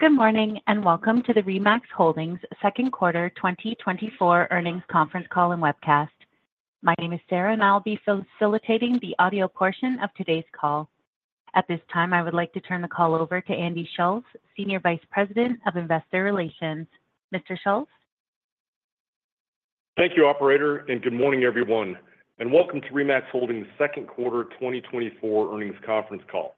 Good morning, and welcome to the RE/MAX Holdings Second Quarter 2024 Earnings Conference Call and Webcast. My name is Sarah, and I'll be facilitating the audio portion of today's call. At this time, I would like to turn the call over to Andy Schulz, Senior Vice President of Investor Relations. Mr. Schulz? Thank you, operator, and good morning, everyone, and welcome to RE/MAX Holdings Second Quarter 2024 Earnings Conference Call.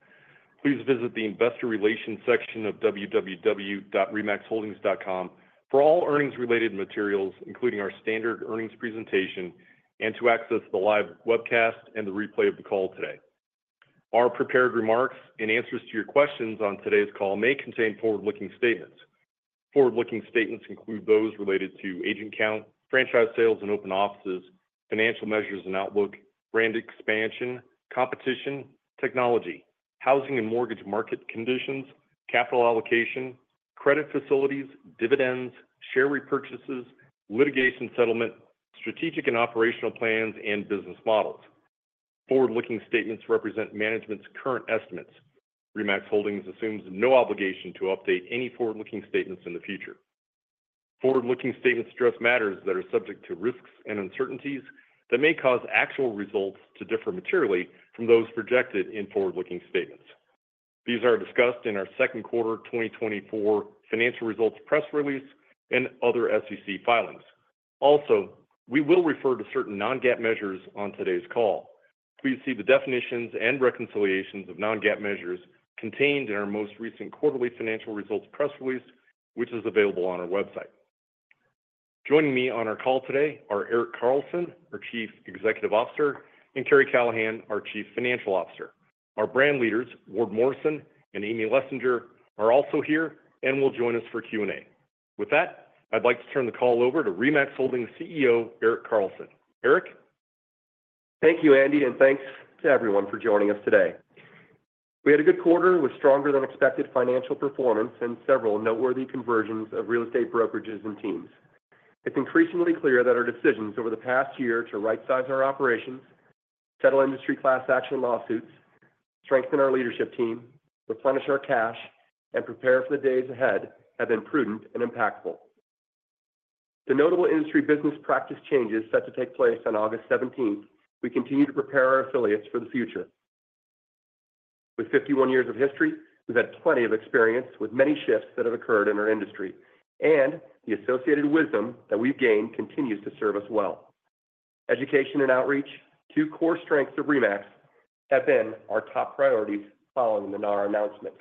Please visit the Investor Relations section of www.remaxholdings.com for all earnings-related materials, including our standard earnings presentation, and to access the live webcast and the replay of the call today. Our prepared remarks and answers to your questions on today's call may contain forward-looking statements. Forward-looking statements include those related to agent count, franchise sales and open offices, financial measures and outlook, brand expansion, competition, technology, housing and mortgage market conditions, capital allocation, credit facilities, dividends, share repurchases, litigation settlement, strategic and operational plans, and business models. Forward-looking statements represent management's current estimates. RE/MAX Holdings assumes no obligation to update any forward-looking statements in the future. Forward-looking statements address matters that are subject to risks and uncertainties that may cause actual results to differ materially from those projected in forward-looking statements. These are discussed in our second quarter 2024 financial results press release and other SEC filings. Also, we will refer to certain non-GAAP measures on today's call. Please see the definitions and reconciliations of non-GAAP measures contained in our most recent quarterly financial results press release, which is available on our website. Joining me on our call today are Erik Carlson, our Chief Executive Officer, and Karri Callahan, our Chief Financial Officer. Our brand leaders, Ward Morrison and Amy Lessinger, are also here and will join us for Q&A. With that, I'd like to turn the call over to RE/MAX Holdings CEO, Erik Carlson. Erik? Thank you, Andy, and thanks to everyone for joining us today. We had a good quarter with stronger than expected financial performance and several noteworthy conversions of real estate brokerages and teams. It's increasingly clear that our decisions over the past year to rightsize our operations, settle industry class action lawsuits, strengthen our leadership team, replenish our cash, and prepare for the days ahead have been prudent and impactful. The notable industry business practice changes set to take place on August 17th. We continue to prepare our affiliates for the future. With 51 years of history, we've had plenty of experience with many shifts that have occurred in our industry, and the associated wisdom that we've gained continues to serve us well. Education and outreach, two core strengths of RE/MAX, have been our top priorities following the NAR announcement.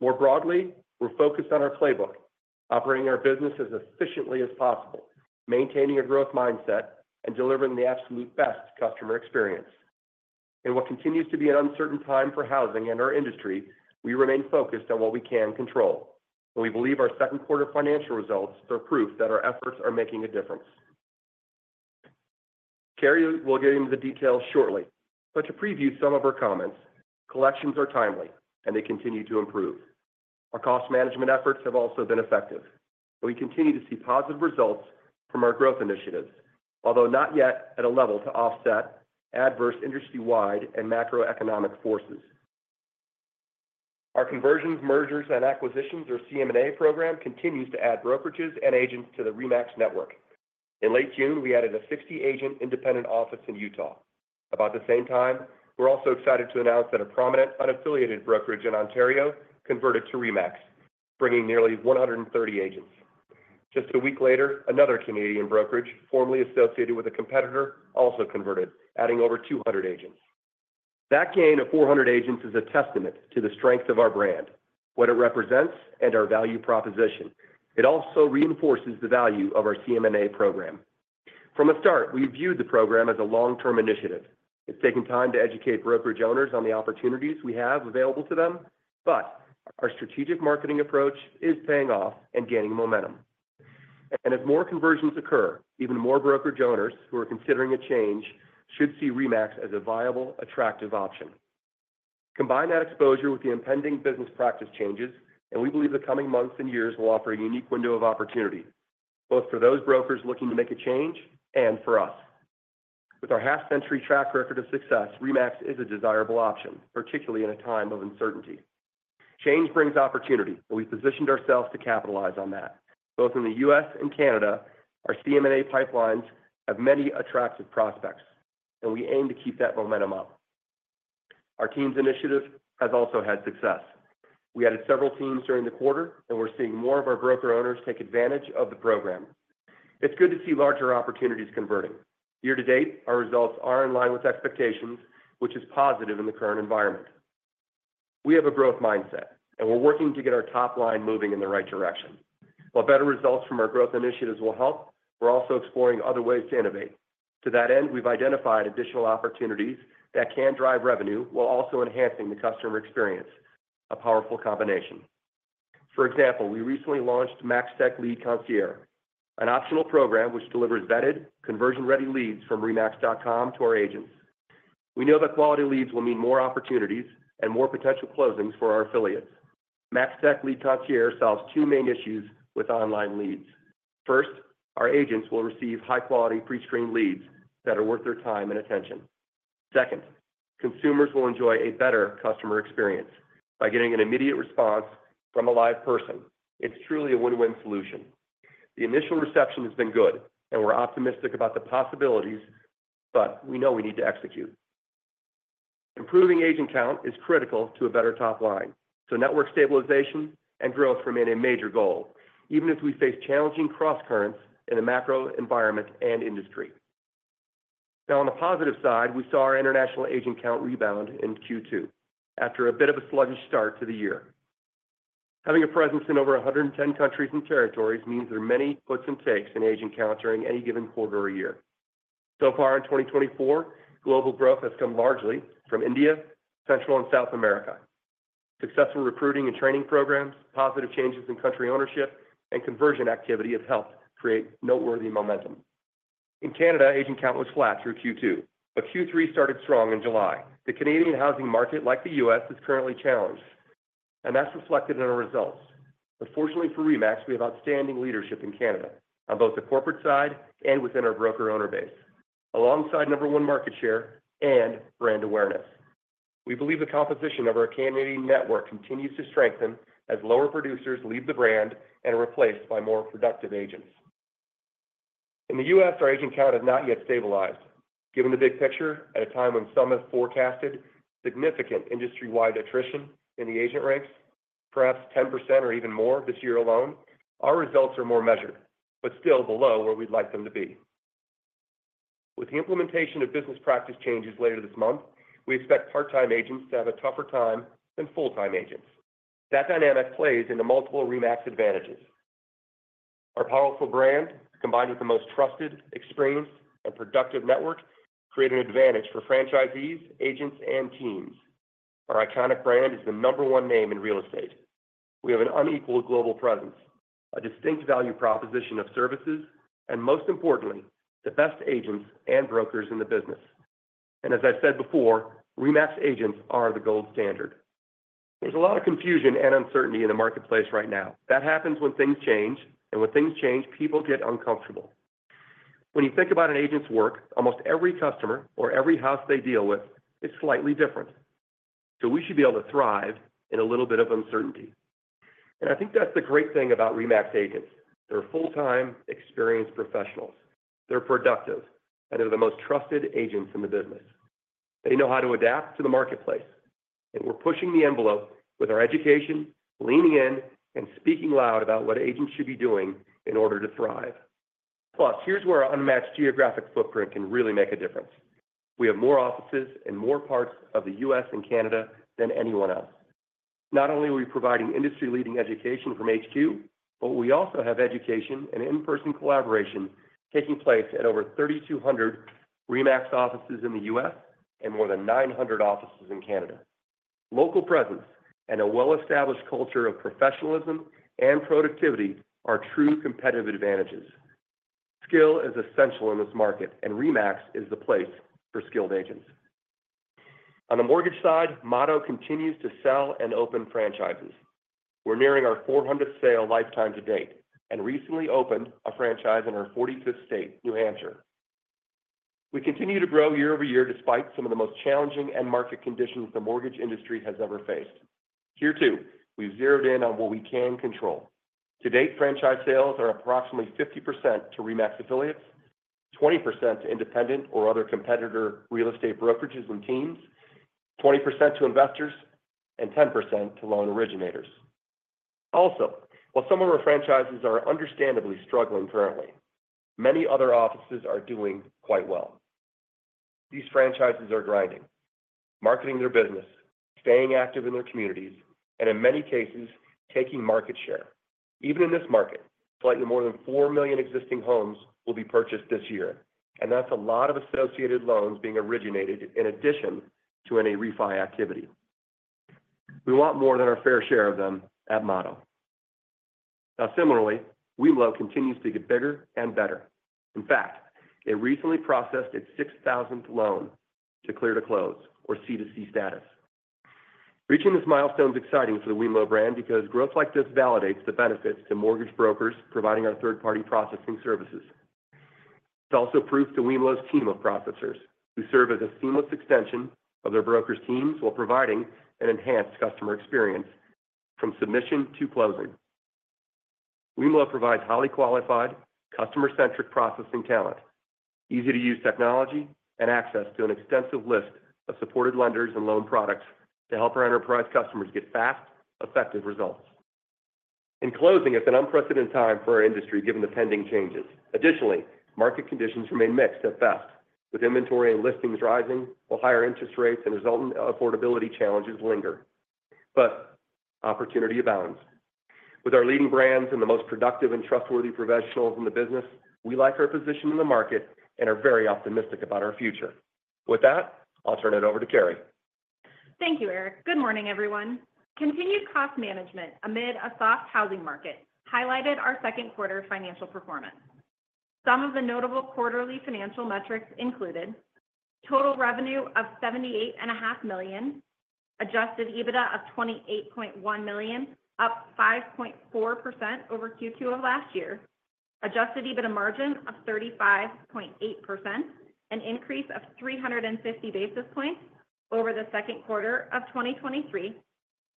More broadly, we're focused on our playbook, operating our business as efficiently as possible, maintaining a growth mindset, and delivering the absolute best customer experience. In what continues to be an uncertain time for housing and our industry, we remain focused on what we can control, and we believe our second quarter financial results are proof that our efforts are making a difference. Karri will get into the details shortly, but to preview some of her comments, collections are timely, and they continue to improve. Our cost management efforts have also been effective. We continue to see positive results from our growth initiatives, although not yet at a level to offset adverse industry-wide and macroeconomic forces. Our conversions, mergers, and acquisitions, or CM&A program, continues to add brokerages and agents to the RE/MAX network. In late June, we added a 60-agent independent office in Utah. About the same time, we're also excited to announce that a prominent unaffiliated brokerage in Ontario converted to RE/MAX, bringing nearly 130 agents. Just a week later, another Canadian brokerage, formerly associated with a competitor, also converted, adding over 200 agents. That gain of 400 agents is a testament to the strength of our brand, what it represents, and our value proposition. It also reinforces the value of our CM&A program. From the start, we viewed the program as a long-term initiative. It's taken time to educate brokerage owners on the opportunities we have available to them, but our strategic marketing approach is paying off and gaining momentum. And as more conversions occur, even more brokerage owners who are considering a change should see RE/MAX as a viable, attractive option. Combine that exposure with the impending business practice changes, and we believe the coming months and years will offer a unique window of opportunity, both for those brokers looking to make a change and for us. With our half-century track record of success, RE/MAX is a desirable option, particularly in a time of uncertainty. Change brings opportunity, and we've positioned ourselves to capitalize on that. Both in the U.S. and Canada, our CM&A pipelines have many attractive prospects, and we aim to keep that momentum up. Our teams initiative has also had success. We added several teams during the quarter, and we're seeing more of our broker-owners take advantage of the program. It's good to see larger opportunities converting. Year-to-date, our results are in line with expectations, which is positive in the current environment. We have a growth mindset, and we're working to get our top line moving in the right direction. While better results from our growth initiatives will help, we're also exploring other ways to innovate. To that end, we've identified additional opportunities that can drive revenue while also enhancing the customer experience, a powerful combination. For example, we recently launched MAXTech Lead Concierge, an optional program which delivers vetted, conversion-ready leads from remax.com to our agents. We know that quality leads will mean more opportunities and more potential closings for our affiliates. MAXTech Lead Concierge solves two main issues with online leads. First, our agents will receive high-quality, pre-screened leads that are worth their time and attention. Second, consumers will enjoy a better customer experience by getting an immediate response from a live person. It's truly a win-win solution. The initial reception has been good, and we're optimistic about the possibilities, but we know we need to execute. Improving agent count is critical to a better top line, so network stabilization and growth remain a major goal, even as we face challenging crosscurrents in the macro environment and industry. Now, on the positive side, we saw our international agent count rebound in Q2 after a bit of a sluggish start to the year. Having a presence in over 110 countries and territories means there are many puts and takes in agent count during any given quarter or year. So far in 2024, global growth has come largely from India, Central America and South America. Successful recruiting and training programs, positive changes in country ownership, and conversion activity have helped create noteworthy momentum. In Canada, agent count was flat through Q2, but Q3 started strong in July. The Canadian housing market, like the U.S., is currently challenged, and that's reflected in our results. But fortunately for RE/MAX, we have outstanding leadership in Canada on both the corporate side and within our broker owner base, alongside number one market share and brand awareness. We believe the composition of our Canadian network continues to strengthen as lower producers leave the brand and are replaced by more productive agents. In the U.S., our agent count has not yet stabilized. Given the big picture, at a time when some have forecasted significant industry-wide attrition in the agent ranks, perhaps 10% or even more this year alone, our results are more measured, but still below where we'd like them to be. With the implementation of business practice changes later this month, we expect part-time agents to have a tougher time than full-time agents. That dynamic plays into multiple RE/MAX advantages. Our powerful brand, combined with the most trusted, experienced, and productive network, create an advantage for franchisees, agents, and teams. Our iconic brand is the number one name in real estate. We have an unequal global presence, a distinct value proposition of services, and most importantly, the best agents and brokers in the business. As I said before, RE/MAX agents are the gold standard. There's a lot of confusion and uncertainty in the marketplace right now. That happens when things change, and when things change, people get uncomfortable. When you think about an agent's work, almost every customer or every house they deal with is slightly different. We should be able to thrive in a little bit of uncertainty, and I think that's the great thing about RE/MAX agents. They're full-time, experienced professionals, they're productive, and they're the most trusted agents in the business. They know how to adapt to the marketplace, and we're pushing the envelope with our education, leaning in and speaking loud about what agents should be doing in order to thrive. Plus, here's where our unmatched geographic footprint can really make a difference. We have more offices in more parts of the U.S. and Canada than anyone else. Not only are we providing industry-leading education from HQ, but we also have education and in-person collaboration taking place at over 3,200 RE/MAX offices in the U.S. and more than 900 offices in Canada. Local presence and a well-established culture of professionalism and productivity are true competitive advantages. Skill is essential in this market, and RE/MAX is the place for skilled agents. On the mortgage side, Motto continues to sell and open franchises. We're nearing our 400th sale lifetime to date and recently opened a franchise in our 45th state, New Hampshire. We continue to grow year-over-year, despite some of the most challenging end market conditions the mortgage industry has ever faced. Here, too, we've zeroed in on what we can control. To date, franchise sales are approximately 50% to RE/MAX affiliates, 20% to independent or other competitor real estate brokerages and teams, 20% to investors, and 10% to loan originators. Also, while some of our franchises are understandably struggling currently, many other offices are doing quite well. These franchises are grinding, marketing their business, staying active in their communities, and in many cases, taking market share. Even in this market, slightly more than 4 million existing homes will be purchased this year, and that's a lot of associated loans being originated in addition to any refi activity. We want more than our fair share of them at Motto. Now, similarly, wemlo continues to get bigger and better. In fact, it recently processed its 6,000th loan to clear to close, or C2C status. Reaching this milestone is exciting for the wemlo brand because growth like this validates the benefits to mortgage brokers providing our third-party processing services. It also proves to wemlo's team of processors, who serve as a seamless extension of their brokers' teams while providing an enhanced customer experience from submission to closing. wemlo provides highly qualified, customer-centric processing talent, easy-to-use technology, and access to an extensive list of supported lenders and loan products to help our enterprise customers get fast, effective results. In closing, it's an unprecedented time for our industry, given the pending changes. Additionally, market conditions remain mixed at best, with inventory and listings rising, while higher interest rates and resultant affordability challenges linger. But opportunity abounds. With our leading brands and the most productive and trustworthy professionals in the business, we like our position in the market and are very optimistic about our future. With that, I'll turn it over to Karri. Thank you, Erik. Good morning, everyone. Continued cost management amid a soft housing market highlighted our second quarter financial performance. Some of the notable quarterly financial metrics included: total revenue of $78.5 million, adjusted EBITDA of $28.1 million, up 5.4% over Q2 of last year, adjusted EBITDA margin of 35.8%, an increase of 350 basis points over the second quarter of 2023,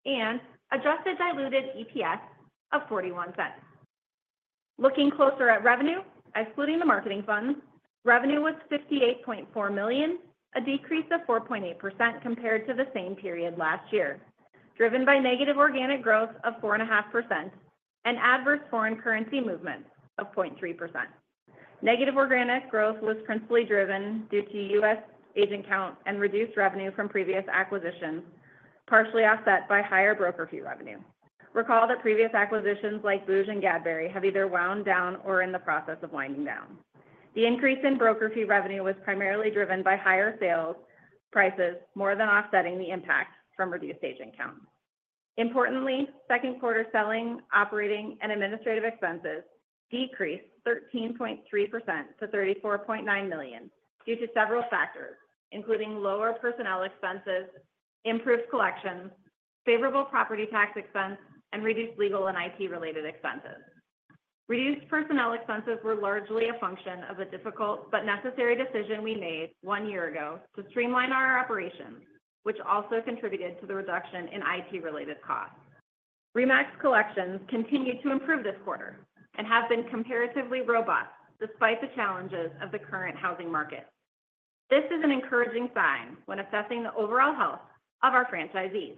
and adjusted diluted EPS of $0.41. Looking closer at revenue, excluding the marketing funds, revenue was $58.4 million, a decrease of 4.8% compared to the same period last year, driven by negative organic growth of 4.5% and adverse foreign currency movements of 0.3%. Negative organic growth was principally driven due to U.S. agent count and reduced revenue from previous acquisitions, partially offset by higher broker fee revenue. Recall that previous acquisitions like booj and Gadberry have either wound down or are in the process of winding down. The increase in broker fee revenue was primarily driven by higher sales prices, more than offsetting the impact from reduced agent count. Importantly, second quarter selling, operating, and administrative expenses decreased 13.3% to $34.9 million due to several factors, including lower personnel expenses, improved collections, favorable property tax expense, and reduced legal and IT-related expenses. Reduced personnel expenses were largely a function of the difficult but necessary decision we made one year ago to streamline our operations, which also contributed to the reduction in IT-related costs. RE/MAX collections continued to improve this quarter and have been comparatively robust despite the challenges of the current housing market. This is an encouraging sign when assessing the overall health of our franchisees.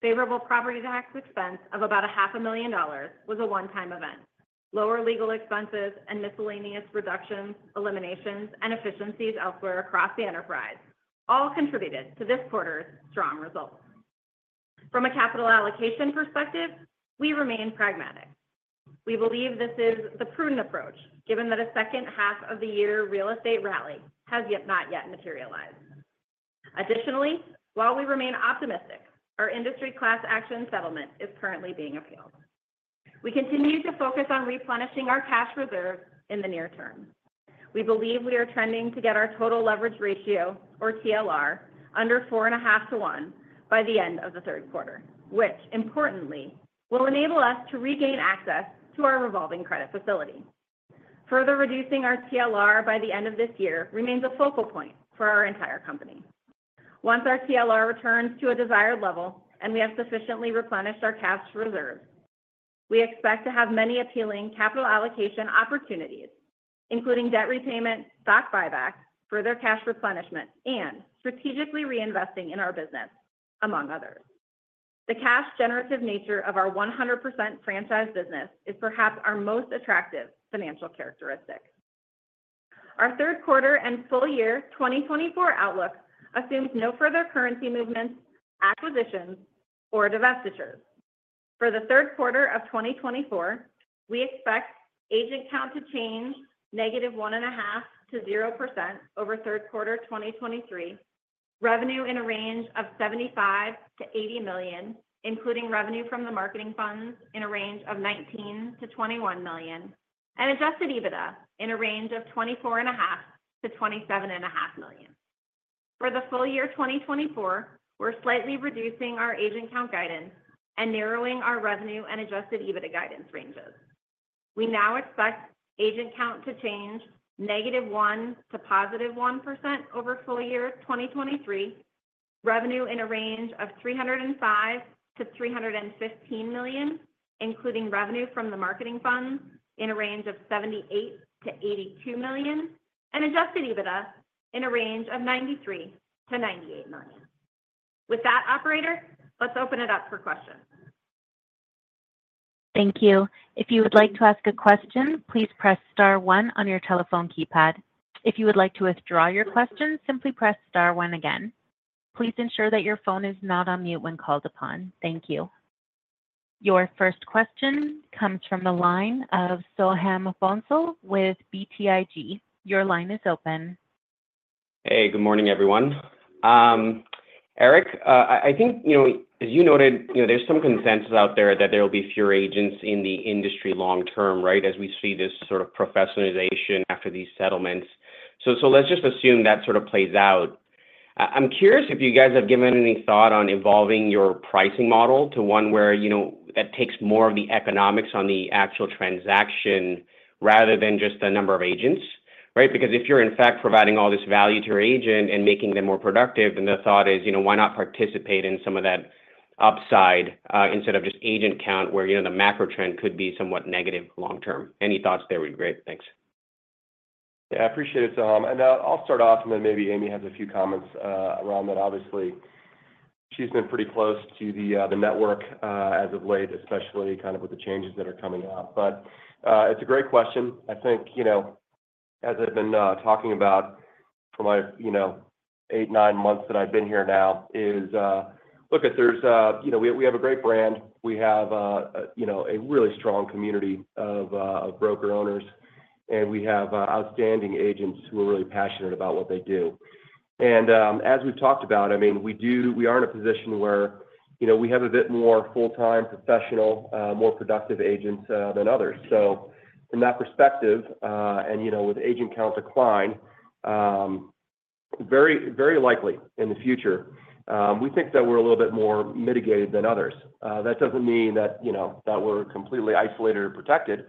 Favorable property tax expense of about $500,000 was a one-time event. Lower legal expenses and miscellaneous reductions, eliminations, and efficiencies elsewhere across the enterprise all contributed to this quarter's strong results. From a capital allocation perspective, we remain pragmatic. We believe this is the prudent approach, given that a second half of the year real estate rally has not yet materialized. Additionally, while we remain optimistic, our industry class action settlement is currently being appealed. We continue to focus on replenishing our cash reserves in the near term. We believe we are trending to get our total leverage ratio, or TLR, under 4.5 to 1 by the end of the third quarter, which importantly, will enable us to regain access to our revolving credit facility. Further reducing our TLR by the end of this year remains a focal point for our entire company. Once our TLR returns to a desired level and we have sufficiently replenished our cash reserve, we expect to have many appealing capital allocation opportunities, including debt repayment, stock buybacks, further cash replenishment, and strategically reinvesting in our business, among others. The cash-generative nature of our 100% franchise business is perhaps our most attractive financial characteristic. Our third quarter and full year 2024 outlook assumes no further currency movements, acquisitions, or divestitures. For the third quarter of 2024, we expect agent count to change -1.5% to 0% over third quarter 2023. Revenue in a range of $75 million-$80 million, including revenue from the marketing funds in a range of $19 million-$21 million, and adjusted EBITDA in a range of $24.5 million-$27.5 million. For the full year 2024, we're slightly reducing our agent count guidance and narrowing our revenue and adjusted EBITDA guidance ranges. We now expect agent count to change -1% to +1% over full year 2023. Revenue in a range of $305 million-$315 million, including revenue from the marketing funds in a range of $78 million-$82 million, and adjusted EBITDA in a range of $93 million-$98 million. With that, operator, let's open it up for questions. Thank you. If you would like to ask a question, please press star one on your telephone keypad. If you would like to withdraw your question, simply press star one again. Please ensure that your phone is not on mute when called upon. Thank you. Your first question comes from the line of Soham Bhonsle with BTIG. Your line is open. Hey, good morning, everyone. Erik, I think, you know, as you noted, you know, there's some consensus out there that there will be fewer agents in the industry long term, right? As we see this sort of professionalization after these settlements. Let's just assume that sort of plays out. I'm curious if you guys have given any thought on evolving your pricing model to one where, you know, that takes more of the economics on the actual transaction rather than just the number of agents, right? Because if you're in fact providing all this value to your agent and making them more productive, then the thought is, you know, why not participate in some of that upside instead of just agent count, where, you know, the macro trend could be somewhat negative long term? Any thoughts there would be great. Thanks. Yeah, I appreciate it, Soham, and I'll start off, and then maybe Amy has a few comments around that. Obviously, she's been pretty close to the network as of late, especially kind of with the changes that are coming up. But it's a great question. I think, you know, as I've been talking about for my, you know, eight, nine months that I've been here now is, look, there's a, you know, we have a great brand. We have a, you know, a really strong community of broker-owners, and we have outstanding agents who are really passionate about what they do. And as we've talked about, I mean, we are in a position where, you know, we have a bit more full-time, professional, more productive agents than others. So from that perspective, you know, with agent count decline, very, very likely in the future. We think that we're a little bit more mitigated than others. That doesn't mean that, you know, that we're completely isolated or protected,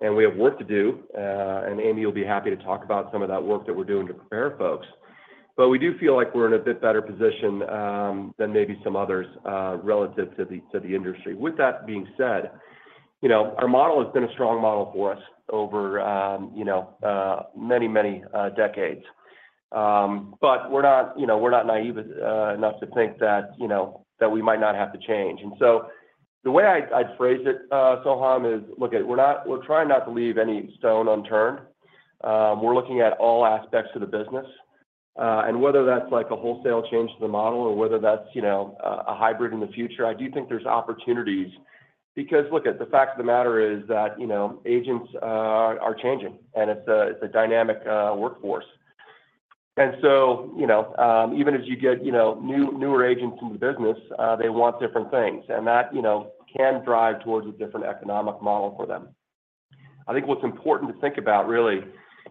and we have work to do, and Amy will be happy to talk about some of that work that we're doing to prepare folks. But we do feel like we're in a bit better position than maybe some others, relative to the industry. With that being said, you know, our model has been a strong model for us over, you know, many, many decades. But we're not, you know, we're not naive enough to think that, you know, that we might not have to change. And so the way I'd phrase it, Soham, is, look, we're trying not to leave any stone unturned. We're looking at all aspects of the business, and whether that's like a wholesale change to the model or whether that's, you know, a hybrid in the future, I do think there's opportunities. Because look, at the fact of the matter is that, you know, agents are changing, and it's a dynamic workforce. And so, you know, even as you get, you know, newer agents in the business, they want different things, and that, you know, can drive towards a different economic model for them. I think what's important to think about really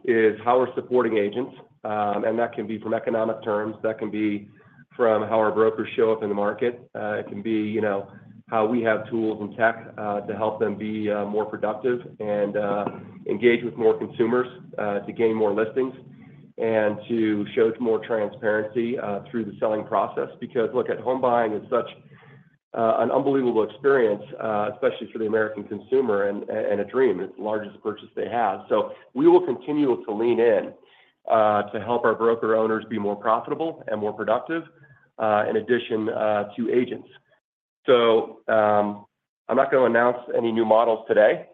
is how we're supporting agents. And that can be from economic terms, that can be from how our brokers show up in the market. It can be, you know, how we have tools and tech to help them be more productive and engage with more consumers to gain more listings, and to show more transparency through the selling process. Because, look, at home buying is such an unbelievable experience, especially for the American consumer, and a dream. It's the largest purchase they have. So we will continue to lean in to help our broker owners be more profitable and more productive, in addition to agents. So, I'm not gonna announce any new models today,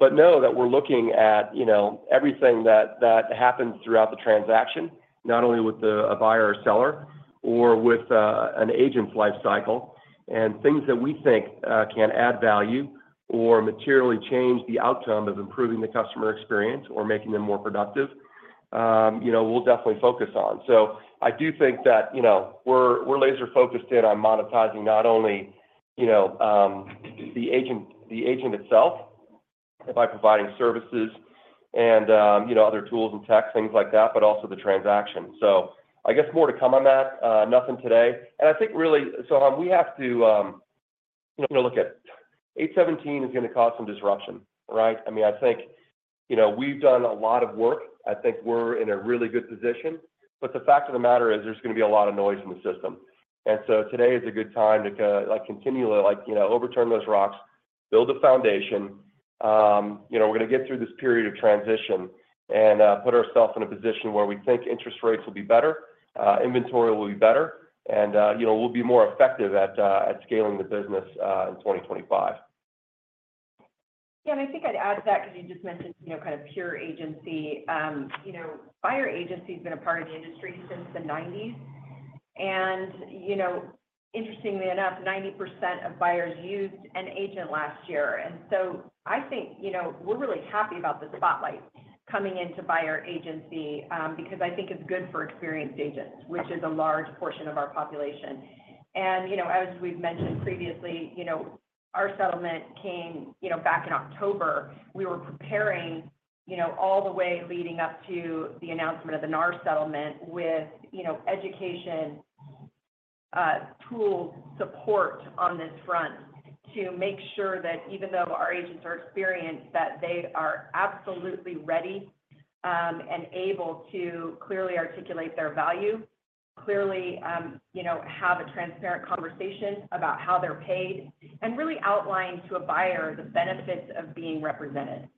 but know that we're looking at, you know, everything that happens throughout the transaction, not only with a buyer or seller, or with an agent's life cycle. And things that we think can add value or materially change the outcome of improving the customer experience or making them more productive, you know, we'll definitely focus on. So I do think that, you know, we're laser-focused in on monetizing not only, you know, the agent itself by providing services and, you know, other tools and tech, things like that, but also the transaction. So I guess more to come on that, nothing today. And I think really, Soham, we have to, you know, look at, 8/17 is gonna cause some disruption, right? I mean, I think, you know, we've done a lot of work. I think we're in a really good position, but the fact of the matter is there's gonna be a lot of noise in the system. And so today is a good time to continually, you know, overturn those rocks, build a foundation. You know, we're gonna get through this period of transition and put ourselves in a position where we think interest rates will be better, inventory will be better, and, you know, we'll be more effective at scaling the business in 2025. Yeah, and I think I'd add to that, because you just mentioned, you know, kind of pure agency. You know, buyer agency has been a part of the industry since the 1990s. And, you know, interestingly enough, 90% of buyers used an agent last year. And so I think, you know, we're really happy about the spotlight coming into buyer agency, because I think it's good for experienced agents, which is a large portion of our population. And, you know, as we've mentioned previously, you know, our settlement came, you know, back in October. We were preparing, you know, all the way leading up to the announcement of the NAR settlement with, you know, education, tool support on this front to make sure that even though our agents are experienced, that they are absolutely ready, and able to clearly articulate their value. Clearly, you know, have a transparent conversation about how they're paid, and really outline to a buyer the benefits of being represented.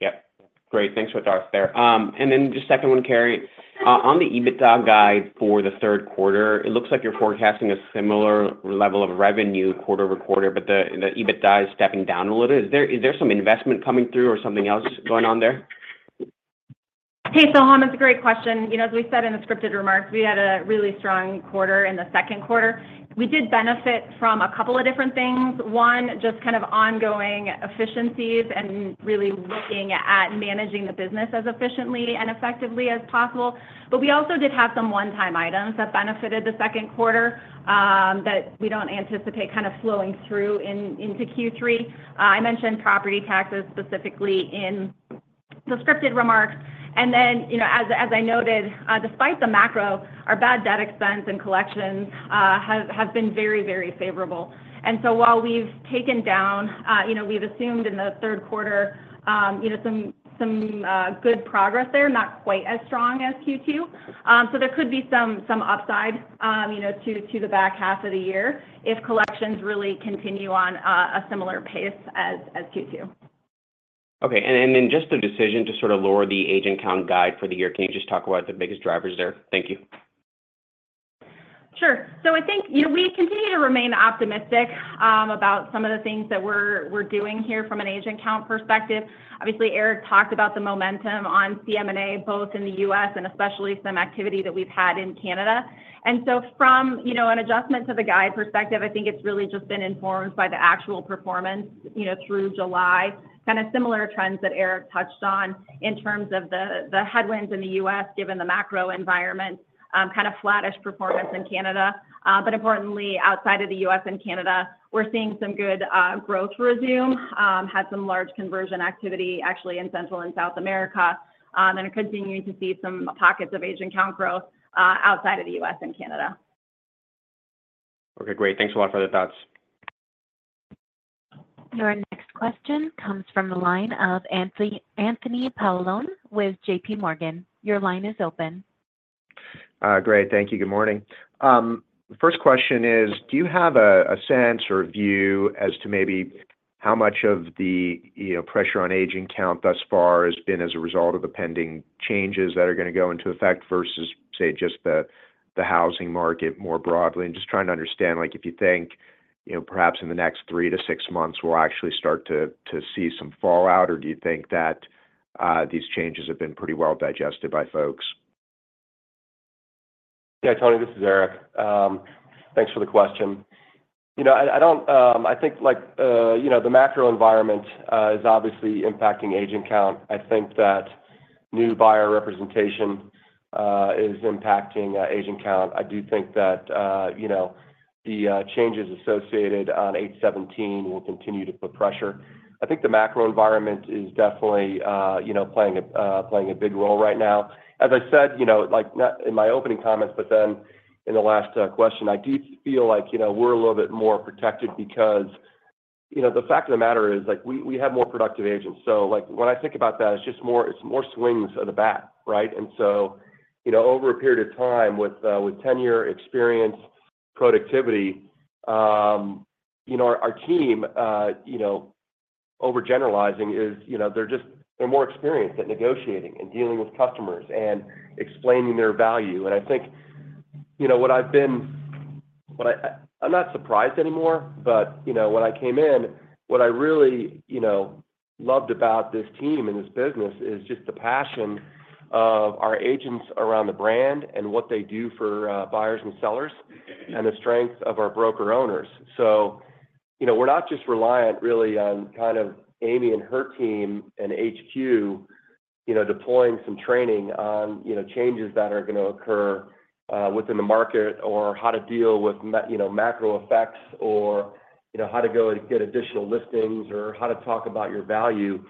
Yep. Great, thanks for your thoughts there. And then just second one, Karri. On the EBITDA guide for the third quarter, it looks like you're forecasting a similar level of revenue quarter-over-quarter, but the EBITDA is stepping down a little. Is there some investment coming through or something else going on there? Hey, Soham, it's a great question. You know, as we said in the scripted remarks, we had a really strong quarter in the second quarter. We did benefit from a couple of different things. One, just kind of ongoing efficiencies and really looking at managing the business as efficiently and effectively as possible. But we also did have some one-time items that benefited the second quarter that we don't anticipate kind of flowing through into Q3. I mentioned property taxes specifically in the scripted remarks, and then, you know, as I noted, despite the macro, our bad debt expense and collections have been very, very favorable. And so while we've taken down, you know, we've assumed in the third quarter, you know, some good progress there, not quite as strong as Q2. So there could be some upside, you know, to the back half of the year if collections really continue on a similar pace as Q2. Okay, and then just the decision to sort of lower the agent count guide for the year. Can you just talk about the biggest drivers there? Thank you. Sure. So I think, you know, we continue to remain optimistic about some of the things that we're doing here from an agent count perspective. Obviously, Erik talked about the momentum on CM&A, both in the U.S. and especially some activity that we've had in Canada. And so from, you know, an adjustment to the guide perspective, I think it's really just been informed by the actual performance, you know, through July. Kinda similar trends that Erik touched on in terms of the headwinds in the U.S., given the macro environment, kind of flattish performance in Canada. But importantly, outside of the U.S. and Canada, we're seeing some good growth resume, had some large conversion activity actually in Central and South America, and continuing to see some pockets of agent count growth outside of the U.S. and Canada. Okay, great. Thanks a lot for the thoughts. Your next question comes from the line of Anthony Paolone with JPMorgan. Your line is open. Great. Thank you. Good morning. The first question is, do you have a sense or view as to maybe how much of the, you know, pressure on agent count thus far has been as a result of the pending changes that are gonna go into effect versus, say, just the housing market more broadly? And just trying to understand, like, if you think, you know, perhaps in the next three to six months, we'll actually start to see some fallout, or do you think that these changes have been pretty well digested by folks? Yeah, Tony, this is Erik. Thanks for the question. You know, I think, like, you know, the macro environment is obviously impacting agent count. I think that new buyer representation is impacting agent count. I do think that, you know, the changes associated on 8-17 will continue to put pressure. I think the macro environment is definitely, you know, playing a big role right now. As I said, you know, like, not in my opening comments, but then in the last question, I do feel like, you know, we're a little bit more protected because, you know, the fact of the matter is, like, we have more productive agents. So, like, when I think about that, it's just more swings of the bat, right? And so, you know, over a period of time, with tenure, experience, productivity, you know, our team, you know, overgeneralizing is, you know, they're more experienced at negotiating and dealing with customers and explaining their value. I think, you know, what I've been, I'm not surprised anymore, but, you know, when I came in, what I really, you know, loved about this team and this business is just the passion of our agents around the brand and what they do for buyers and sellers, and the strength of our broker-owners. So, you know, we're not just reliant really on kind of Amy and her team and HQ, you know, deploying some training on, you know, changes that are gonna occur within the market, or how to deal with macro effects or, you know, how to go and get additional listings, or how to talk about your value.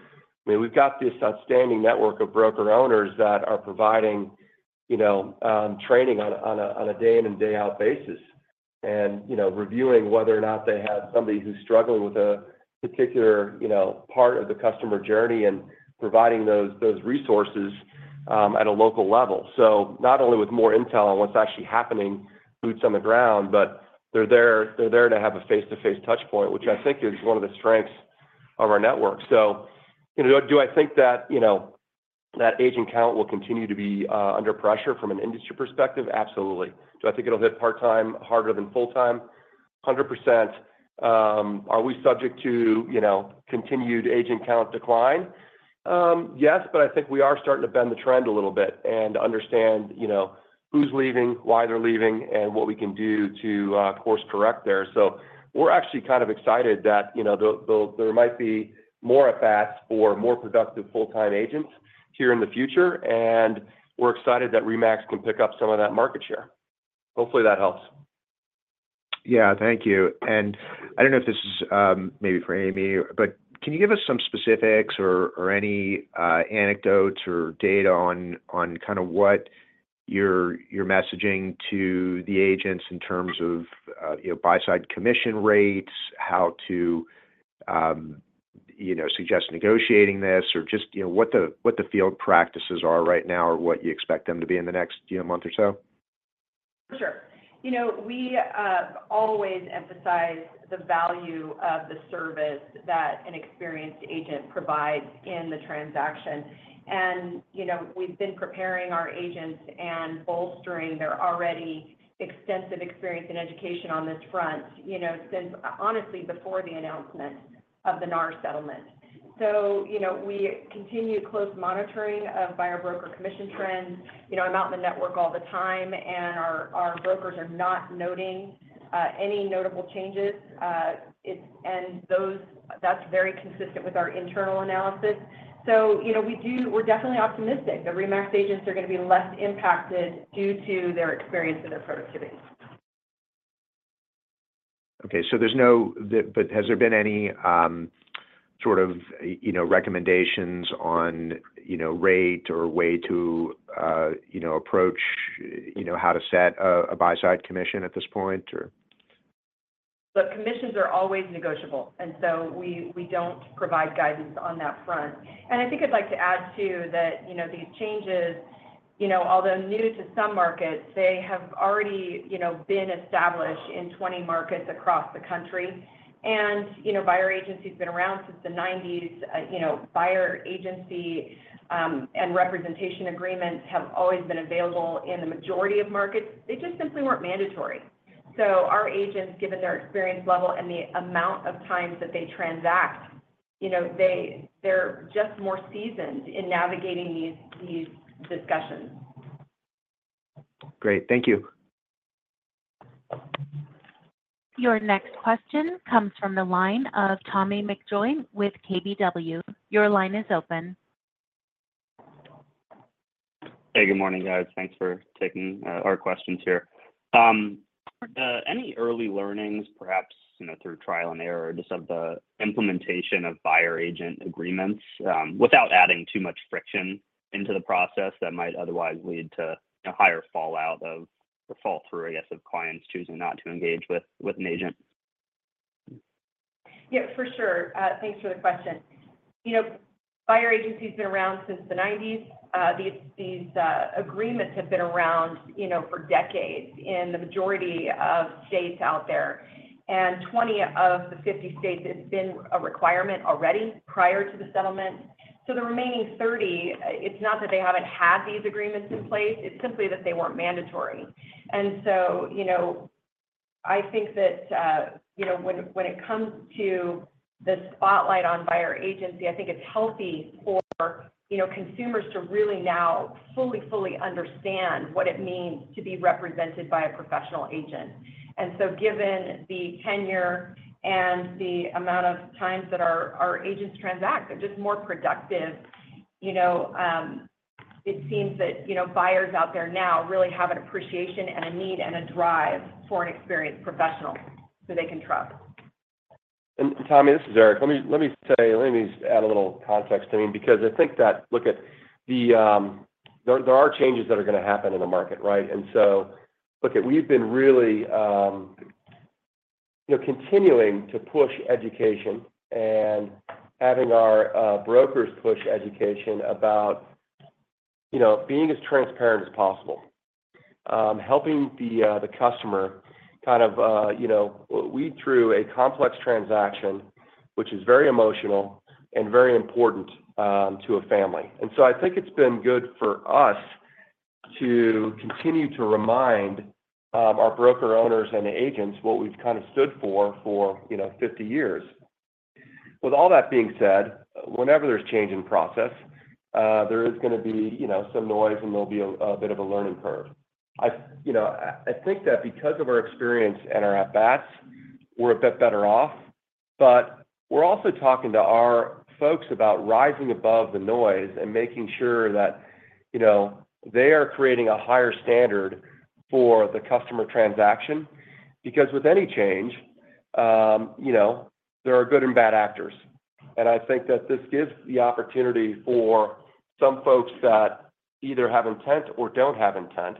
I mean, we've got this outstanding network of broker-owners that are providing, you know, training on a day-in and day-out basis, and, you know, reviewing whether or not they have somebody who's struggling with a particular, you know, part of the customer journey and providing those resources at a local level. So not only with more intel on what's actually happening, boots on the ground, but they're there to have a face-to-face touch point, which I think is one of the strengths of our network. So, you know, do I think that, you know, that agent count will continue to be under pressure from an industry perspective? Absolutely. Do I think it'll hit part-time harder than full-time? 100%. Are we subject to, you know, continued agent count decline? Yes, but I think we are starting to bend the trend a little bit and understand, you know, who's leaving, why they're leaving, and what we can do to course-correct there. So we're actually kind of excited that, you know, there might be more a path for more productive full-time agents here in the future, and we're excited that RE/MAX can pick up some of that market share. Hopefully, that helps. Yeah, thank you. I don't know if this is maybe for Amy, but can you give us some specifics or any anecdotes or data on kind of what you're messaging to the agents in terms of you know buy-side commission rates, how to you know suggest negotiating this, or just you know what the field practices are right now, or what you expect them to be in the next, you know, month or so? Sure. You know, we always emphasize the value of the service that an experienced agent provides in the transaction. And, you know, we've been preparing our agents and bolstering their already extensive experience and education on this front, you know, since, honestly, before the announcement of the NAR settlement. So, you know, we continue close monitoring of buyer broker commission trends. You know, I'm out in the network all the time, and our brokers are not noting any notable changes. That's very consistent with our internal analysis. So, you know, we're definitely optimistic that RE/MAX agents are gonna be less impacted due to their experience and their productivity. Has there been any sort of, you know, recommendations on, you know, rate or way to, you know, approach, you know, how to set a buy-side commission at this point, or? Look, commissions are always negotiable, and so we don't provide guidance on that front. I think I'd like to add, too, that, you know, these changes, you know, although new to some markets, they have already, you know, been established in 20 markets across the country. You know, buyer agency has been around since the 1990s. You know, buyer agency and representation agreements have always been available in the majority of markets. They just simply weren't mandatory. So our agents, given their experience level and the amount of times that they transact, you know, they're just more seasoned in navigating these discussions. Great. Thank you. Your next question comes from the line of Tommy McJoynt with KBW. Your line is open. Hey, good morning, guys. Thanks for taking our questions here. Any early learnings, perhaps, you know, through trial and error, just of the implementation of buyer agent agreements, without adding too much friction into the process that might otherwise lead to a higher fallout of, or fall through, I guess, of clients choosing not to engage with an agent? Yeah, for sure. Thanks for the question. You know, buyer agency has been around since the '90s. These agreements have been around, you know, for decades in the majority of states out there. And 20 of the 50 states, it's been a requirement already prior to the settlement. So the remaining 30, it's not that they haven't had these agreements in place, it's simply that they weren't mandatory. And so, you know, I think that, you know, when it comes to the spotlight on Buyer agency, I think it's healthy for, you know, consumers to really now fully, fully understand what it means to be represented by a professional agent. And so, given the tenure and the amount of times that our agents transact, they're just more productive. You know, it seems that, you know, buyers out there now really have an appreciation and a need and a drive for an experienced professional who they can trust. And Tommy, this is Erik. Let me just add a little context. I mean, because I think that—look at the, there are changes that are gonna happen in the market, right? And so, look, we've been really, you know, continuing to push education and having our brokers push education about, you know, being as transparent as possible. Helping the customer kind of, you know, weed through a complex transaction, which is very emotional and very important to a family. And so I think it's been good for us to continue to remind our broker owners and agents what we've kind of stood for, for, you know, fifty years. With all that being said, whenever there's change in process, there is gonna be, you know, some noise, and there'll be a bit of a learning curve. You know, I think that because of our experience and our at-bats, we're a bit better off, but we're also talking to our folks about rising above the noise and making sure that, you know, they are creating a higher standard for the customer transaction. Because with any change, you know, there are good and bad actors, and I think that this gives the opportunity for some folks that either have intent or don't have intent.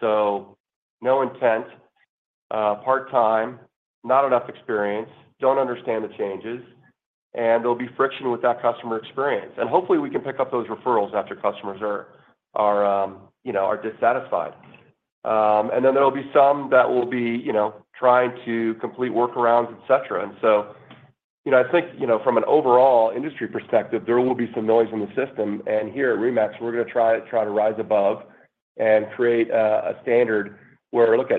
So no intent, part-time, not enough experience, don't understand the changes, and there'll be friction with that customer experience. And hopefully, we can pick up those referrals after customers are, you know, are dissatisfied. And then there'll be some that will be, you know, trying to complete workarounds, et cetera. And so, you know, I think, you know, from an overall industry perspective, there will be some noise in the system. And here at RE/MAX, we're gonna try to rise above and create a standard where— look,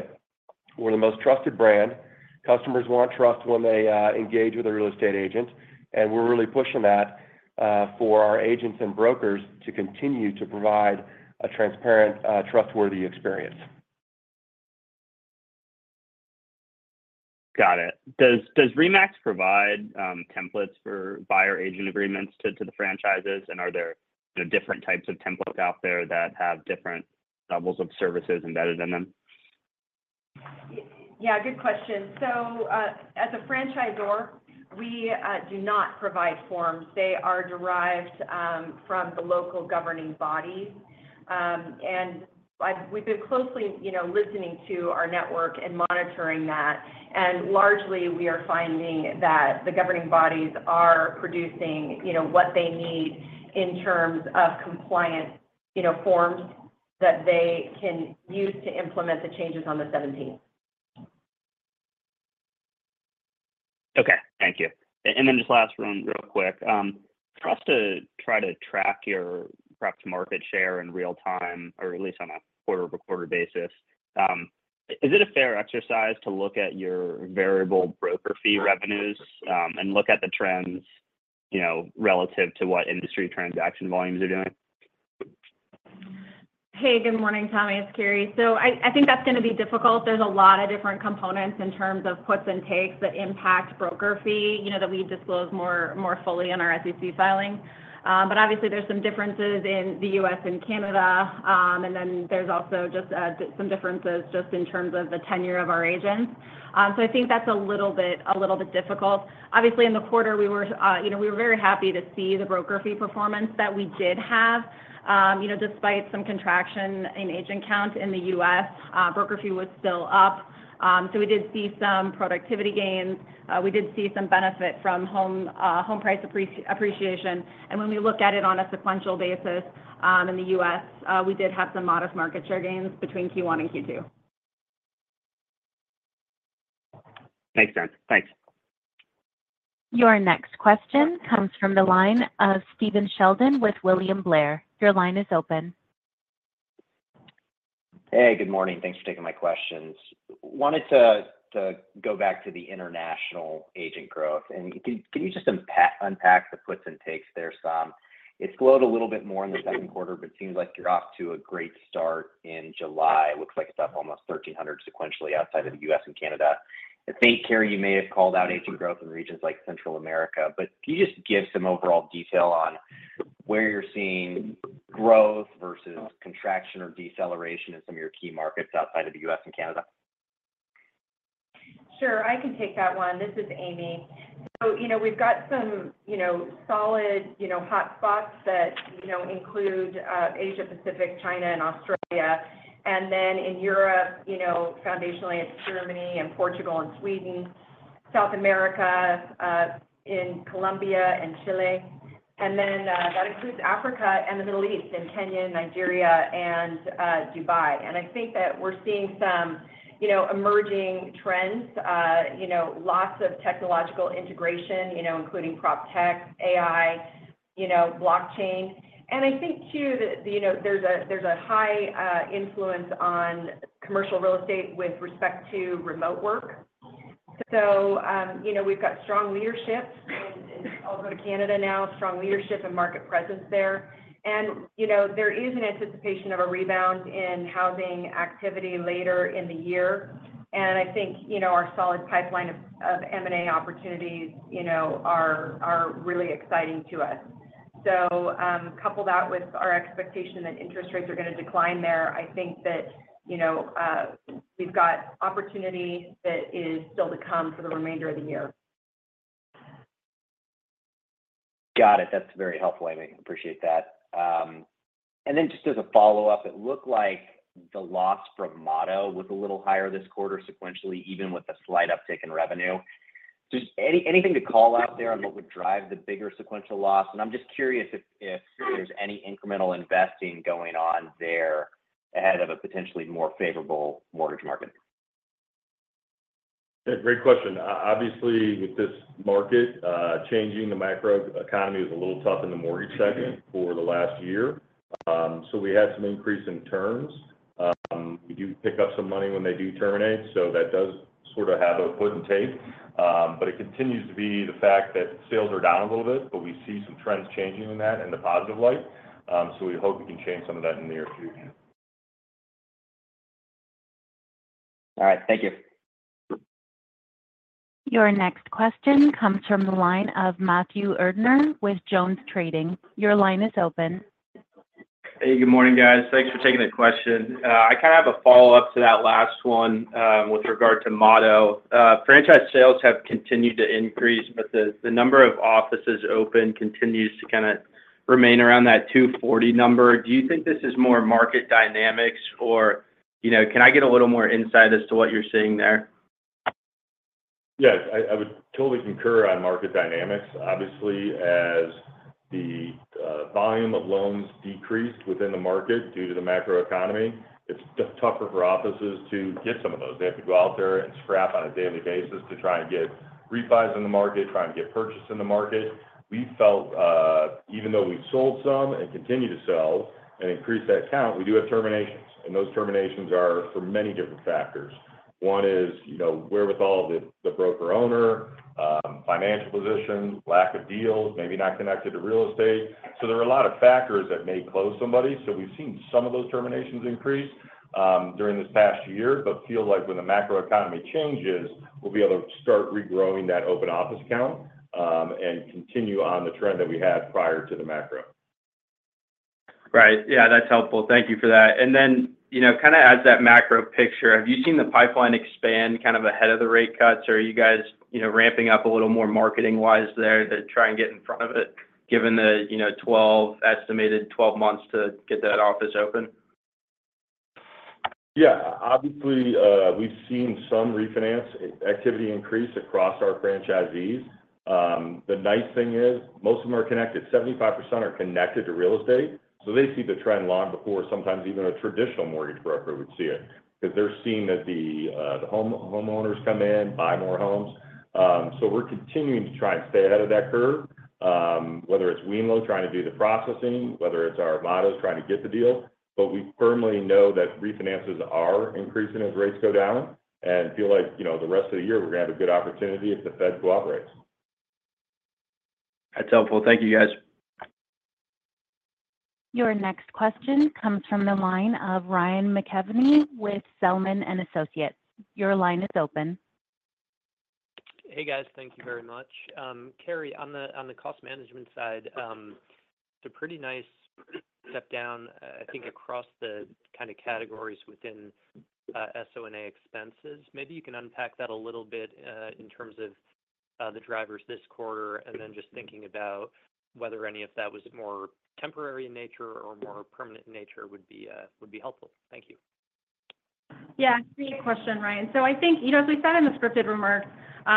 we're the most trusted brand. Customers want trust when they engage with a real estate agent, and we're really pushing that for our agents and brokers to continue to provide a transparent, trustworthy experience. Got it. Does RE/MAX provide templates for buyer agent agreements to the franchises? And are there, you know, different types of templates out there that have different levels of services embedded in them? Yeah, good question. So, as a franchisor, we do not provide forms. They are derived from the local governing body. And we've been closely, you know, listening to our network and monitoring that, and largely, we are finding that the governing bodies are producing, you know, what they need in terms of compliant, you know, forms that they can use to implement the changes on the 17th. Okay. Thank you. And then just last one real quick. For us to try to track your rep to market share in real time or at least on a quarter-over-quarter basis, is it a fair exercise to look at your variable broker fee revenues, and look at the trends, you know, relative to what industry transaction volumes are doing? Hey, good morning, Tommy. It's Karri. So I think that's gonna be difficult. There's a lot of different components in terms of puts and takes that impact broker fee, you know, that we disclose more fully in our SEC filing. But obviously, there's some differences in the U.S. and Canada. And then there's also just some differences just in terms of the tenure of our agents. So I think that's a little bit difficult. Obviously, in the quarter, we were, you know, we were very happy to see the broker fee performance that we did have. You know, despite some contraction in agent count in the U.S., broker fee was still up. So we did see some productivity gains. We did see some benefit from home price appreciation. When we look at it on a sequential basis, in the U.S., we did have some modest market share gains between Q1 and Q2. Makes sense. Thanks. Your next question comes from the line of Stephen Sheldon with William Blair. Your line is open. Hey, good morning. Thanks for taking my questions. Wanted to go back to the international agent growth, and can you just unpack the puts and takes there some? It slowed a little bit more in the second quarter, but it seems like you're off to a great start in July. It looks like it's up almost 1,300 sequentially outside of the U.S. and Canada. I think, Karri, you may have called out agent growth in regions like Central America, but can you just give some overall detail on where you're seeing growth versus contraction or deceleration in some of your key markets outside of the U.S. and Canada? Sure, I can take that one. This is Amy. So, you know, we've got some, you know, solid, you know, hot spots that, you know, include Asia-Pacific, China, and Australia. And then in Europe, you know, foundationally, it's Germany and Portugal and Sweden. South America, in Colombia and Chile. And then, that includes Africa and the Middle East and Kenya, Nigeria, and Dubai. And I think that we're seeing some, you know, emerging trends, you know, lots of technological integration, you know, including proptech, AI, you know, blockchain. And I think too that, you know, there's a high influence on commercial real estate with respect to remote work. So, you know, we've got strong leadership, and I'll go to Canada now, strong leadership and market presence there. And, you know, there is an anticipation of a rebound in housing activity later in the year. And I think, you know, our solid pipeline of M&A opportunities, you know, are really exciting to us. So, couple that with our expectation that interest rates are gonna decline there, I think that, you know, we've got opportunity that is still to come for the remainder of the year. Got it. That's very helpful. I appreciate that. And then just as a follow-up, it looked like the loss from Motto was a little higher this quarter sequentially, even with a slight uptick in revenue. Just anything to call out there on what would drive the bigger sequential loss? And I'm just curious if there's any incremental investing going on there ahead of a potentially more favorable mortgage market? Yeah, great question. Obviously, with this market changing, the macro economy is a little tough in the mortgage segment for the last year. So we had some increase in terms. We do pick up some money when they do terminate, so that does sort of have a put and take. But it continues to be the fact that sales are down a little bit, but we see some trends changing in that in the positive light. So we hope we can change some of that in the near future. All right. Thank you. Your next question comes from the line of Matthew Erdner with JonesTrading. Your line is open. Hey, good morning, guys. Thanks for taking the question. I kind of have a follow-up to that last one, with regard to Motto. Franchise sales have continued to increase, but the number of offices open continues to kinda remain around that 240 number. Do you think this is more market dynamics or, you know, can I get a little more insight as to what you're seeing there? Yes, I would totally concur on market dynamics. Obviously, as the volume of loans decreased within the market due to the macro economy, it's tougher for offices to get some of those. They have to go out there and scrap on a daily basis to try and get refi's in the market, try and get purchase in the market. We felt, even though we've sold some and continue to sell and increase that count, we do have terminations, and those terminations are for many different factors. One is, you know, wherewithal the broker-owner, financial position, lack of deals, maybe not connected to real estate. So there are a lot of factors that may close somebody. We've seen some of those terminations increase during this past year, but feel like when the macro economy changes, we'll be able to start regrowing that open office count, and continue on the trend that we had prior to the macro. Right. Yeah, that's helpful. Thank you for that. And then, you know, kinda as that macro picture, have you seen the pipeline expand kind of ahead of the rate cuts, or are you guys, you know, ramping up a little more marketing-wise there to try and get in front of it, given the, you know, estimated 12 months to get that office open? Yeah. Obviously, we've seen some refinance activity increase across our franchisees. The nice thing is, most of them are connected. 75% are connected to real estate, so they see the trend long before sometimes even a traditional mortgage broker would see it because they're seeing that the homeowners come in, buy more homes. So we're continuing to try and stay ahead of that curve, whether it's wemlo trying to do the processing, whether it's our Mottos trying to get the deal, but we firmly know that refinances are increasing as rates go down and feel like, you know, the rest of the year, we're going to have a good opportunity if the Fed cooperates. That's helpful. Thank you, guys. Your next question comes from the line of Ryan McKeveny with Zelman & Associates. Your line is open. Hey, guys. Thank you very much. Karri, on the cost management side, it's a pretty nice step down, I think across the kind of categories within SO&A expenses. Maybe you can unpack that a little bit, in terms of the drivers this quarter, and then just thinking about whether any of that was more temporary in nature or more permanent in nature would be helpful. Thank you. Yeah, great question, Ryan. So I think, you know, as we said in the scripted remarks,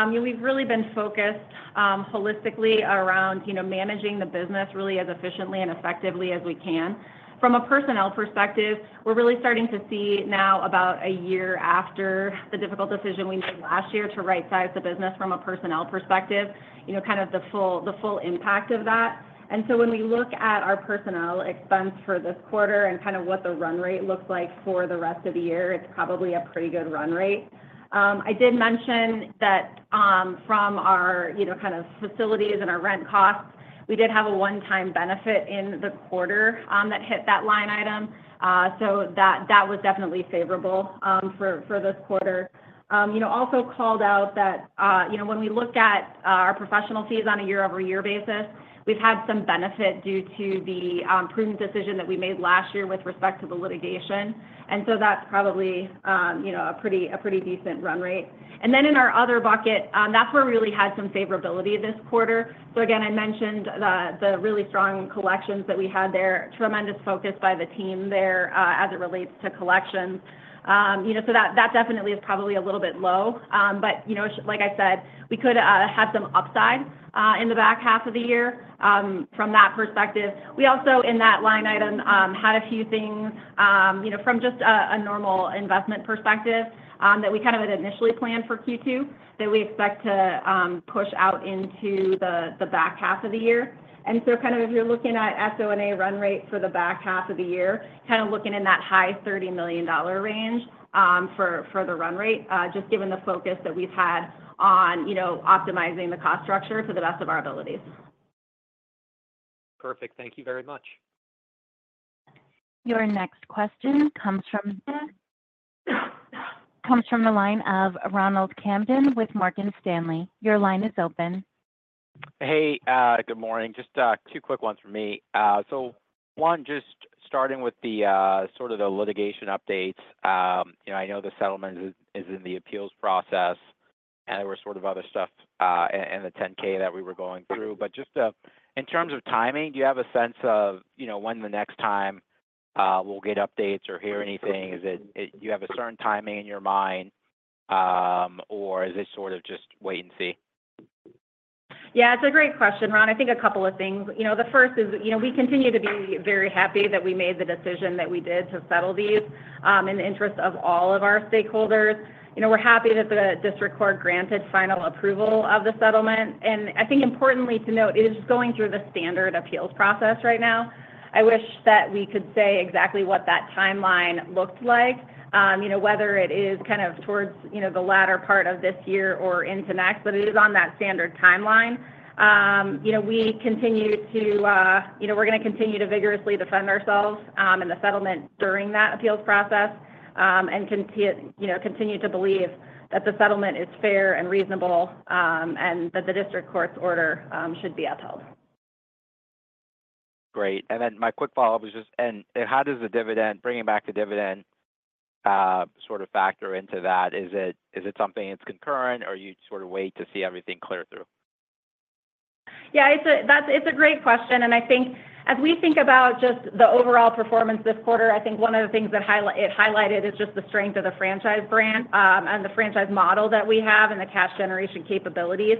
you know, we've really been focused holistically around, you know, managing the business really as efficiently and effectively as we can. From a personnel perspective, we're really starting to see now, about a year after the difficult decision we made last year, to rightsize the business from a personnel perspective, you know, kind of the full, the full impact of that. And so when we look at our personnel expense for this quarter and kind of what the run rate looks like for the rest of the year, it's probably a pretty good run rate. I did mention that, from our, you know, kind of facilities and our rent costs, we did have a one-time benefit in the quarter, that hit that line item. So that, that was definitely favorable, for this quarter. You know, also called out that, you know, when we look at our professional fees on a year-over-year basis, we've had some benefit due to the prudent decision that we made last year with respect to the litigation. And so that's probably, you know, a pretty decent run rate. And then in our other bucket, that's where we really had some favorability this quarter. So again, I mentioned the really strong collections that we had there, tremendous focus by the team there, as it relates to collections. You know, so that definitely is probably a little bit low. But, you know, like I said, we could have some upside in the back half of the year, from that perspective. We also, in that line item, had a few things, you know, from just a normal investment perspective, that we kind of had initially planned for Q2, that we expect to, push out into the back half of the year. And so kind of if you're looking at SO&A run rate for the back half of the year, kind of looking in that high $30 million range, for the run rate, just given the focus that we've had on, you know, optimizing the cost structure to the best of our abilities. Perfect. Thank you very much. Your next question comes from the line of Ronald Kamdem with Morgan Stanley. Your line is open. Hey, good morning. Just, two quick ones from me. So one, just starting with the sort of the litigation updates. You know, I know the settlement is in the appeals process, and there were sort of other stuff in the 10-K that we were going through. But just in terms of timing, do you have a sense of, you know, when the next time we'll get updates or hear anything? Do you have a certain timing in your mind, or is it sort of just wait and see? Yeah, it's a great question, Ron. I think a couple of things. You know, the first is, you know, we continue to be very happy that we made the decision that we did to settle these, in the interest of all of our stakeholders. You know, we're happy that the district court granted final approval of the settlement, and I think importantly to note, it is going through the standard appeals process right now. I wish that we could say exactly what that timeline looked like, you know, whether it is kind of towards, you know, the latter part of this year or into next, but it is on that standard timeline. You know, we continue to, you know, we're gonna continue to vigorously defend ourselves in the settlement during that appeals process, and continue to believe that the settlement is fair and reasonable, and that the district court's order should be upheld. Great. And then my quick follow-up is just... and, how does the dividend, bringing back the dividend, sort of factor into that? Is it something that's concurrent, or you sort of wait to see everything clear through? Yeah, it's a great question, and I think as we think about just the overall performance this quarter, I think one of the things that it highlighted is just the strength of the franchise brand and the franchise model that we have and the cash generation capabilities.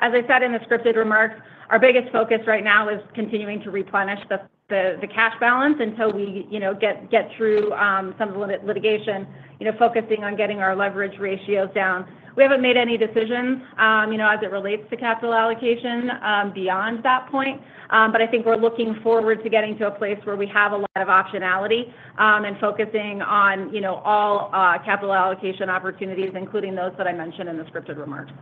As I said in the scripted remarks, our biggest focus right now is continuing to replenish the cash balance until we get through some of the litigation, you know, focusing on getting our leverage ratios down. We haven't made any decisions, you know, as it relates to capital allocation beyond that point. But I think we're looking forward to getting to a place where we have a lot of optionality, and focusing on, you know, all capital allocation opportunities, including those that I mentioned in the scripted remarks.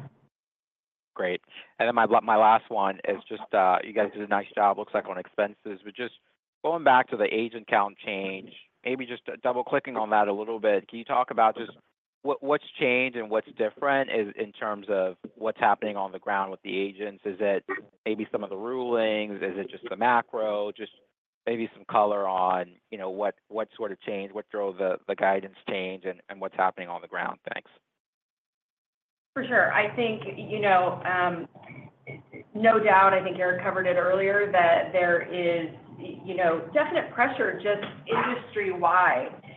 Great. And then my last one is just, you guys did a nice job, looks like, on expenses. But just going back to the agent count change, maybe just, double-clicking on that a little bit. Can you talk about just what's changed and what's different in terms of what's happening on the ground with the agents? Is it maybe some of the rulings? Is it just the macro? Just maybe some color on, you know, what sort of changed, what drove the guidance change and what's happening on the ground? Thanks. For sure. I think, you know, no doubt, I think Erik covered it earlier, that there is, you know, definite pressure just industry-wide. You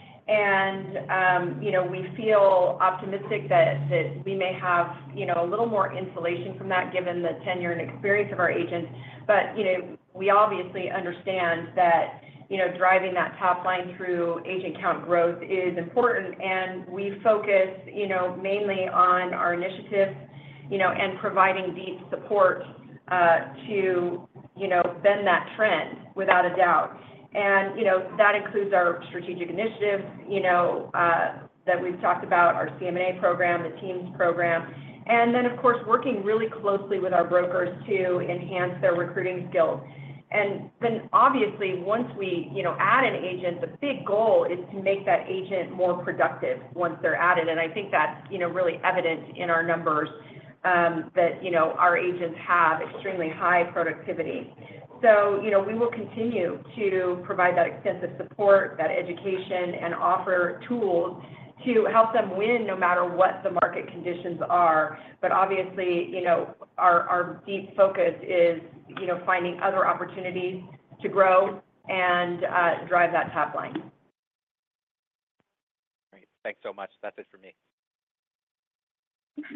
know, we feel optimistic that we may have, you know, a little more insulation from that, given the tenure and experience of our agents. You know, we obviously understand that, you know, driving that top line through agent count growth is important, and we focus, you know, mainly on our initiatives, you know, and providing deep support to, you know, bend that trend, without a doubt. You know, that includes our strategic initiatives, you know, that we've talked about, our CMA program, the team's program, and then, of course, working really closely with our brokers to enhance their recruiting skills. And then, obviously, once we, you know, add an agent, the big goal is to make that agent more productive once they're added. And I think that's, you know, really evident in our numbers that, you know, our agents have extremely high productivity. So, you know, we will continue to provide that extensive support, that education, and offer tools to help them win no matter what the market conditions are. But obviously, you know, our deep focus is, you know, finding other opportunities to grow and, drive that top line. Great. Thanks so much. That's it for me.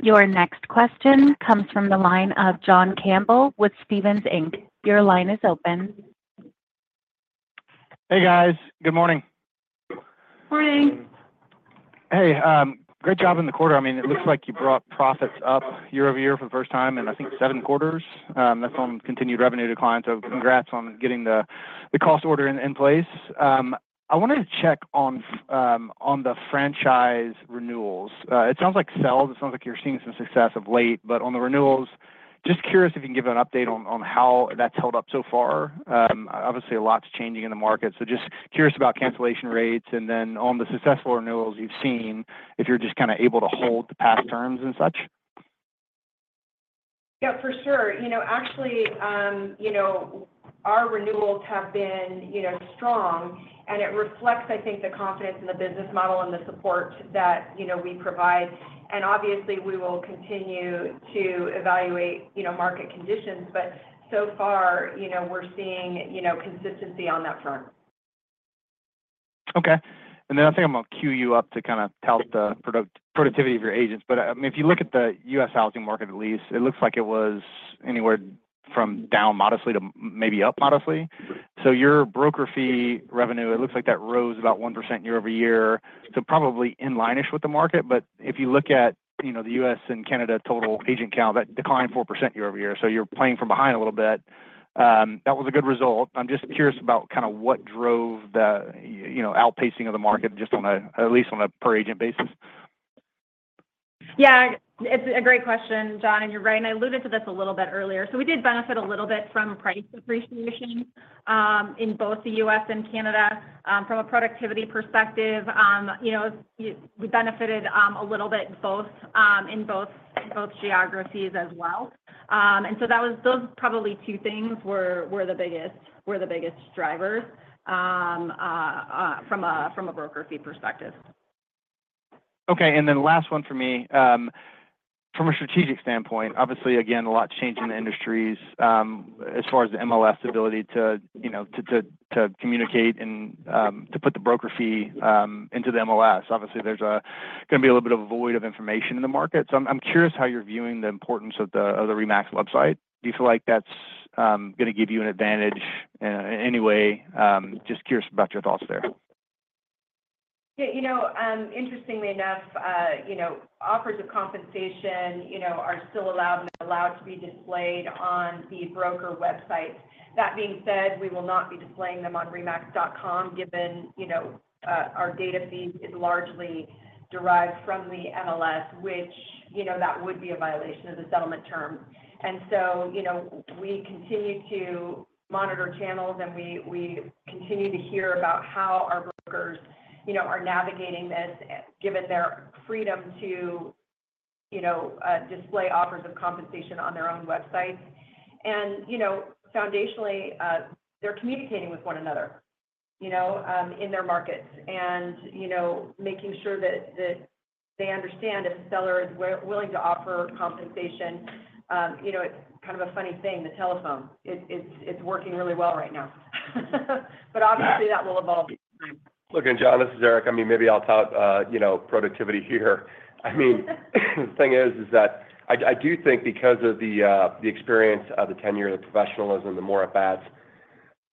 Your next question comes from the line of John Campbell with Stephens Inc. Your line is open. Hey, guys. Good morning. Morning! Hey, great job in the quarter. I mean, it looks like you brought profits up year-over-year for the first time in, I think, seven quarters. That's on continued revenue to clients, so congrats on getting the cost order in place. I wanted to check on the franchise renewals. It sounds like sales, it sounds like you're seeing some success of late, but on the renewals, just curious if you can give an update on how that's held up so far. Obviously, a lot's changing in the market, so just curious about cancellation rates, and then on the successful renewals you've seen, if you're just kind of able to hold the past terms and such. Yeah, for sure. You know, actually, you know, our renewals have been, you know, strong, and it reflects, I think, the confidence in the business model and the support that, you know, we provide. Obviously, we will continue to evaluate, you know, market conditions, but so far, you know, we're seeing, you know, consistency on that front. Okay. And then I think I'm gonna queue you up to kind of tout the productivity of your agents. But, I mean, if you look at the U.S. housing market, at least, it looks like it was anywhere from down modestly to maybe up modestly. So your broker fee revenue, it looks like that rose about 1% year-over-year, so probably in line-ish with the market. But if you look at, you know, the U.S. and Canada total agent count, that declined 4% year-over-year, so you're playing from behind a little bit. That was a good result. I'm just curious about kind of what drove the, you know, outpacing of the market, just on at least on a per agent basis? Yeah, it's a great question, John, and you're right, and I alluded to this a little bit earlier. So we did benefit a little bit from price appreciation in both the U.S. and Canada. From a productivity perspective, you know, we benefited a little bit in both geographies as well. And so those probably two things were the biggest drivers from a broker fee perspective. Okay, and then last one for me. From a strategic standpoint, obviously, again, a lot's changed in the industries, as far as the MLS ability to, you know, to communicate and to put the broker fee into the MLS. Obviously, there's gonna be a little bit of a void of information in the market. So I'm curious how you're viewing the importance of the RE/MAX website. Do you feel like that's gonna give you an advantage in any way? Just curious about your thoughts there. Yeah, you know, interestingly enough, you know, offers of compensation, you know, are still allowed and allowed to be displayed on the broker websites. That being said, we will not be displaying them on remax.com, given, you know, our data feed is largely derived from the MLS, which, you know, that would be a violation of the settlement term. And so, you know, we continue to monitor channels, and we continue to hear about how our brokers, you know, are navigating this, given their freedom to, you know, display offers of compensation on their own websites. And, you know, foundationally, they're communicating with one another, you know, in their markets, and, you know, making sure that they understand if a seller is willing to offer compensation. You know, it's kind of a funny thing, the telephone. It's working really well right now. But obviously, that will evolve over time. Look, John, this is Erik. I mean, maybe I'll talk, you know, productivity here. I mean, the thing is, is that I do think because of the experience, of the tenure, the professionalism, the more facts,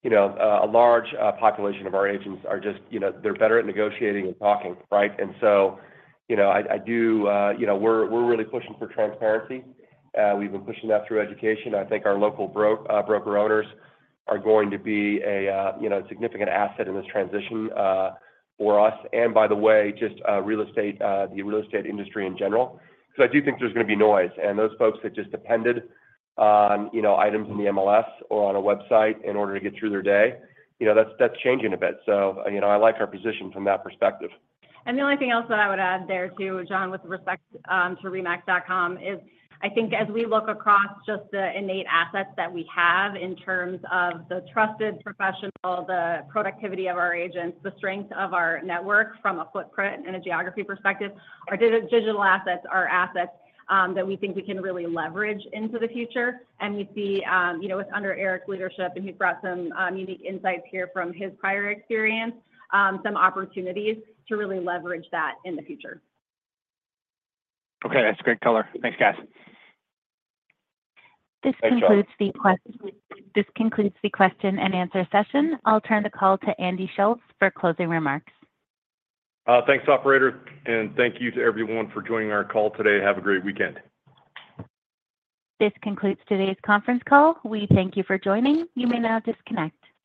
you know, a large population of our agents are just, you know, they're better at negotiating and talking, right? And so, you know, I do, you know, we're really pushing for transparency. We've been pushing that through education. I think our local broker owners are going to be a, you know, a significant asset in this transition, for us, and by the way, just real estate, the real estate industry in general. So I do think there's gonna be noise, and those folks that just depended on, you know, items in the MLS or on a website in order to get through their day, you know, that's changing a bit. So, you know, I like our position from that perspective. The only thing else that I would add there, too, John, with respect to remax.com, is I think as we look across just the innate assets that we have in terms of the trusted professional, the productivity of our agents, the strength of our network from a footprint and a geography perspective, our digital assets are assets that we think we can really leverage into the future. And we see, you know, with under Erik's leadership, and he brought some unique insights here from his prior experience, some opportunities to really leverage that in the future. Okay, that's a great color. Thanks, guys. Thanks, John. This concludes the question and answer session. I'll turn the call to Andy Schulz for closing remarks. Thanks, operator, and thank you to everyone for joining our call today. Have a great weekend. This concludes today's conference call. We thank you for joining. You may now disconnect.